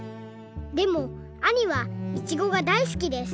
でもあにはいちごがだいすきです。